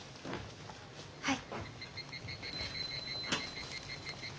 はい。